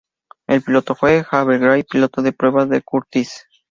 El piloto fue J. Harvey Gray, piloto de pruebas de Curtiss.